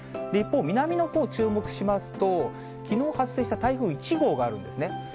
一方、南のほう、注目しますと、きのう発生した台風１号があるんですね。